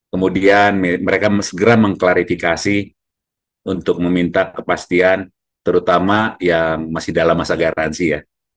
kemudian mereka segera mengklarifikasi untuk meminta kepastian terutama yang masih dalam masa garansi ya